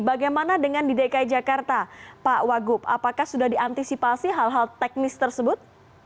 bagaimana dengan di dki jakarta pak wagub apakah sudah diantisipasi hal hal teknis tersebut